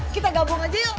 kita gabung aja yuk